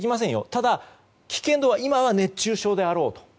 ただ、危険度は今は熱中症であろうと。